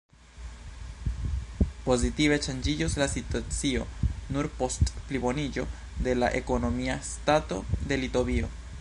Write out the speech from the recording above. Pozitive ŝanĝiĝos la situacio nur post pliboniĝo de la ekonomia stato de Litovio.